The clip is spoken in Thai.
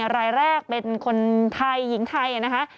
รายแรกเป็นคนไทยหญิงไทยนะคะ